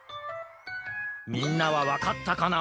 みんなはわかったかな？